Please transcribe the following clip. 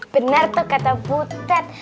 bener tuh kata butet